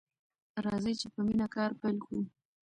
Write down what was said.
راځئ چې په مینه کار پیل کړو.